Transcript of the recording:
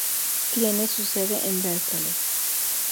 Tiene su sede en Berkeley.